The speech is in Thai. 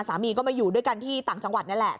สามีก็มาอยู่ด้วยกันที่ต่างจังหวัดนี่แหละ